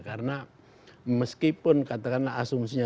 karena meskipun katakanlah asumsinya